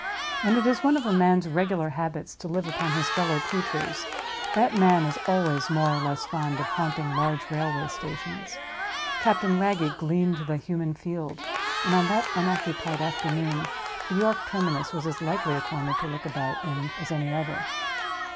When it is one of a man's regular habits to live upon his fellow creatures, that man is always more or less fond of haunting large railway stations. Captain Wragge gleaned the human field, and on that unoccupied afternoon the York terminus was as likely a corner to look about in as any other.